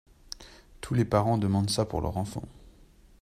Tous les parents demandent ça pour leur enfant.